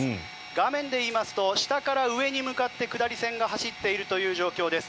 画面で言いますと下から上に向かって下り線が走っているという状況です。